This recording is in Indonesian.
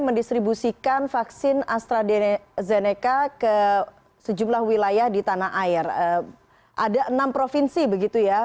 mendistribusikan vaksin astrazeneca ke sejumlah wilayah di tanah air ada enam provinsi begitu ya